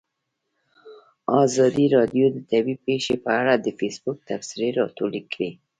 ازادي راډیو د طبیعي پېښې په اړه د فیسبوک تبصرې راټولې کړي.